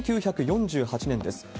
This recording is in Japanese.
１９４８年です。